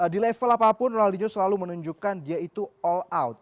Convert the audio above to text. di level apapun ronaldinho selalu menunjukkan dia itu all out